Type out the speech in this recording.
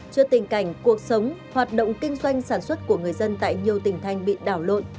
trước tình cảnh cuộc sống hoạt động kinh doanh sản xuất của người dân tại nhiều tỉnh thành bị đảo lộn